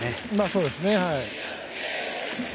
そうですね。